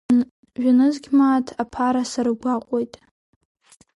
Жәанызқь мааҭ аԥара саргәаҟуеит!